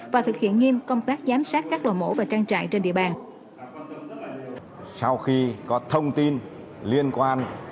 và thực hiện nghiêm công tác giám sát các lò mổ và trang trại trên địa bàn